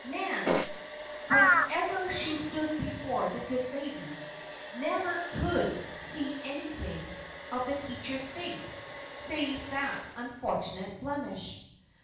Nan, whenever she stood before the good lady, never could see anything of the teacher's face save that unfortunate blemish.